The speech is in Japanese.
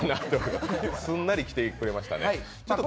すんなり来てくれましたね。